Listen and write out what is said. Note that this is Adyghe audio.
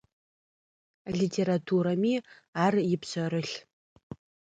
Литературэми ар ипшъэрылъ.